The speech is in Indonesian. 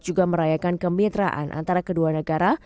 juga merayakan kemitraan antara kedua negara